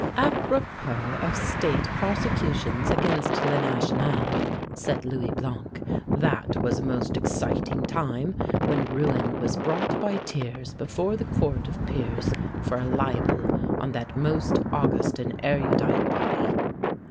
"Apropos of State prosecutions against 'Le National,'" said Louis Blanc, "that was a most exciting time when Rouen was brought by Thiers before the Court of Peers, for a libel on that most august and erudite body."